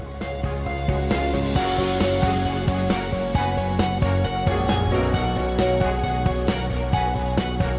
สวัสดีครับ